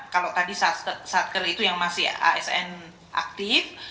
kalau tadi satker itu yang masih asn aktif